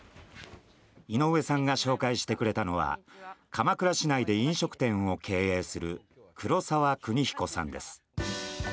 井上さんが紹介してくれたのは鎌倉市内で飲食店を経営する黒澤邦彦さんです。